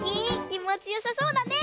きもちよさそうだね。